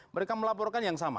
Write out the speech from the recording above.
mereka melaporkan yang sama